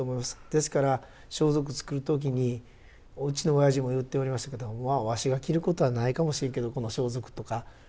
ですから装束作る時にうちの親父も言っておりましたけど「まあわしが着ることはないかもしれんけどこの装束」とか。